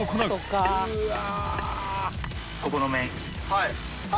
はい。